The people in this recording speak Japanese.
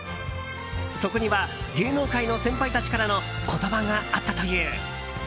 そこには芸能界の先輩たちからの言葉があったという。